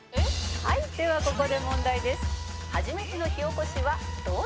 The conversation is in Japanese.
「はいではここで問題です」